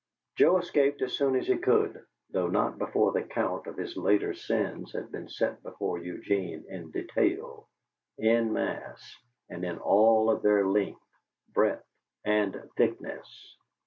Joe escaped as soon as he could, though not before the count of his later sins had been set before Eugene in detail, in mass, and in all of their depth, breadth, and thickness.